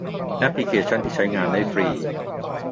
แอพลิเคชั่นที่ใช้งานได้ฟรี